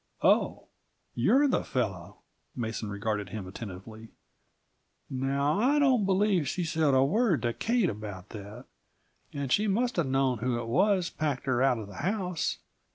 "Oh. You're the fellow!" Mason regarded him attentively. "Now, I don't believe she said a word to Kate about that, and she must have known who it was packed her out of the house.